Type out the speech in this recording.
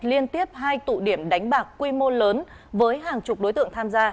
liên tiếp hai tụ điểm đánh bạc quy mô lớn với hàng chục đối tượng tham gia